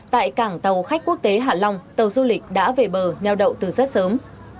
tại cảng tàu khách quốc tế hạ long tàu du lịch đã về bờ nheo đậu từ rất sớm